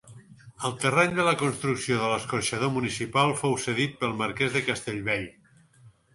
El terreny de la construcció de l'Escorxador Municipal fou cedit pel Marquès de Castellbell.